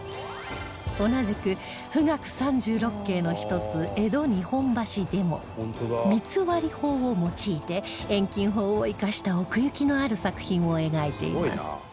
同じく『冨嶽三十六景』の１つ『江戸日本橋』でも三ツ割法を用いて遠近法を生かした奥行きのある作品を描いています